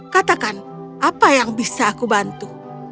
katakan apa yang bisa aku bantu